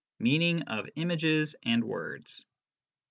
Meaning of Images and Words.